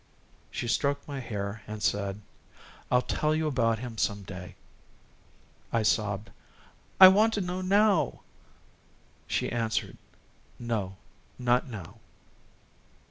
She stroked my hair and said: "I'll tell you about him some day." I sobbed: "I want to know now." She answered: "No, not now."